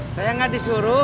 saya gak disuruh